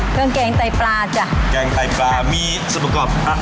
เครื่องแกงไต่ปลาจ้ะแกงไต่ปลามีสุดประกอบอ่ะ